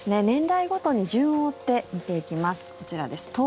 年代ごとに順を追って見ていきます。